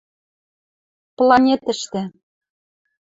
планетӹштӹ